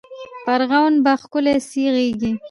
په ارغوان به ښکلي سي غیږي